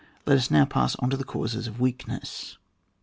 Let us now pass on to the causes of weakness.